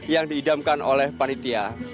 yang diidamkan oleh panitia